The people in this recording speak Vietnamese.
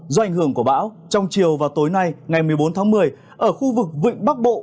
do ảnh hưởng của bão trong chiều và tối nay ngày một mươi bốn tháng một mươi ở khu vực vịnh bắc bộ